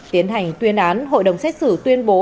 tiến hành tuyên án hội đồng xét xử tuyên bố